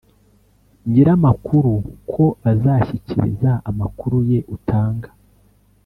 nyir amakuru ko bazashyikiriza amakuru ye utanga